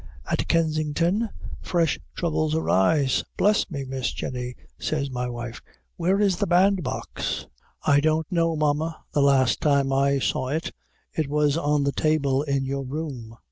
At Kensington fresh troubles arise. "Bless me, Miss Jenny," says my wife, "where is the bandbox?" "I don't know, Mamma; the last time I saw it, it was on the table in your room."